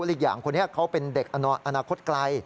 อีกอย่างคนนี้เขาเป็นเด็กอนาคตไกล